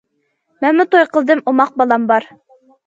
مەنمۇ توي قىلدىم، ئوماق بالام بار.